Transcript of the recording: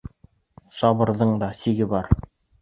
Сабырҙың да сиге бар.